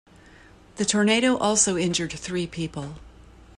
The tornado also injured three people.